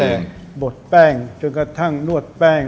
ตั้งแต่บดแป้งจนกระทั่งนวดแป้ง